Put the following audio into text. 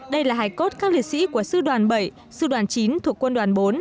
đây là hải cốt các liệt sĩ của sư đoàn bảy sư đoàn chín thuộc quân đoàn bốn